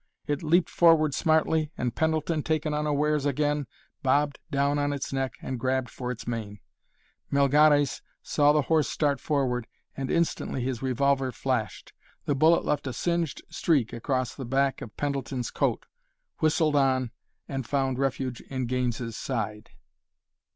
It leaped forward smartly and Pendleton, taken unawares again, bobbed down on its neck and grabbed for its mane. Melgares saw the horse start forward and instantly his revolver flashed. The bullet left a singed streak across the back of Pendleton's coat, whistled on, and found refuge in Gaines's side.